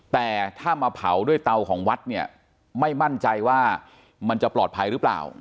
แต่ถ้ามาเผาด้วยเตาของวัดเนี่ยไม่มั่นใจว่ามันจะปลอดภัยหรือเปล่า